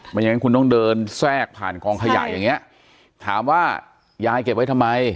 อย่างนั้นคุณต้องเดินแทรกผ่านกองขยะอย่างเงี้ยถามว่ายายเก็บไว้ทำไม